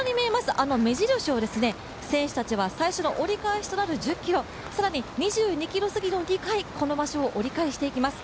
あの目印を選手たちは最初の折り返しとなる１０ｋｍ、更に２２ｋｍ過ぎの２回、この場所を折り返していきます。